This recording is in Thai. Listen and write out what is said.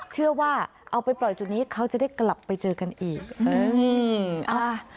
เชื่อว่าเอาไปปล่อยจุดนี้เขาจะได้กลับไปเจอกันอีกเอออ่า